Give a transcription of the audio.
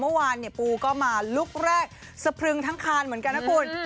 เมื่อวานเนี่ยปูก็มาลุคแรกสะพรึงทั้งคานเหมือนกันนะคุณ